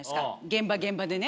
現場現場でね。